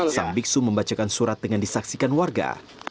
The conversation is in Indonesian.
sang biksu membacakan surat dengan disaksikan warga